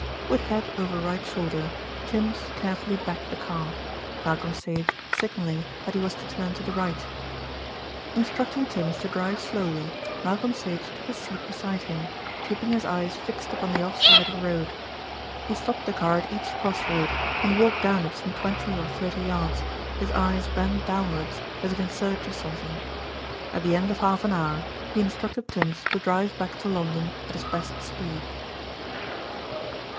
With head over right shoulder, Tims carefully backed the car, Malcolm Sage signalling that he was to turn to the right. Instructing Tims to drive slowly, Malcolm Sage took his seat beside him, keeping his eyes fixed upon the off side of the road. He stopped the car at each cross road, and walked down it some twenty or thirty yards, his eyes bent downwards as if in search of something. At the end of half an hour he instructed Tims to drive back to London at his best speed.